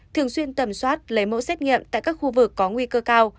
thường xuyên tầm soát lấy mẫu xét nghiệm tại các khu vực có nguy cơ cao